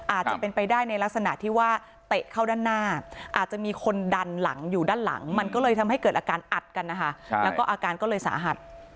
อาจจะเป็นไปได้ในลักษณะที่ว่าเตะเข้าด้านหน้าอาจจะมีคนดันหลังอยู่ด้านหลังมันก็เลยทำให้เกิดอาการอัดกันนะคะแล้วก็อาการก็เลยสาหัส